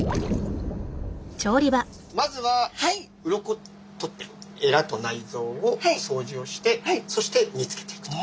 まずはうろこ取ってえらと内臓をそうじをしてそして煮つけていくと。